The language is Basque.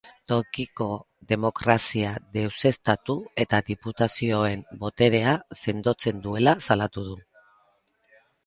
Tokiko demokrazia deuseztatu eta diputazioen boterea sendotzen duela salatu du.